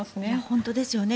本当ですよね。